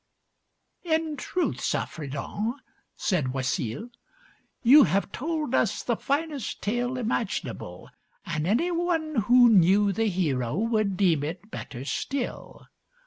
"In truth, Saffredent," said Oisille, "you have told us the finest tale imaginable, and any one who knew the hero would deem it better still.